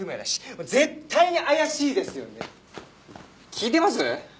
聞いてます？